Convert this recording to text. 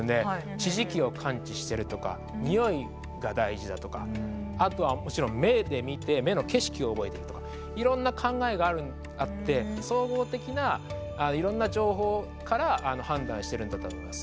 地磁気を感知してるとかにおいが大事だとかあとはもちろん目で見て目の景色を覚えてるとかいろんな考えがあって総合的ないろんな情報から判断してるんだと思います。